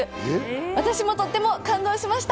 私もとっても感動しました。